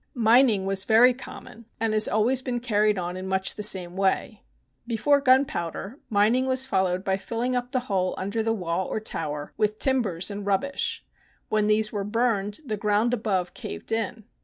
Mining was very common, and has always been carried on in much the same way. Before gun powder, mining was followed by filling up the hole under the wall or tower with timbers and rub bish. When these were burned, the ground above caved in.